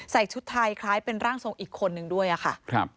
ใส่ชุดทายคล้ายเป็นร่างทรงอีกคนนึงด้วยอ่ะค่ะครับ